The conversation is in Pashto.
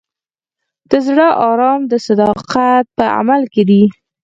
د زړه ارام د صداقت په عمل کې دی.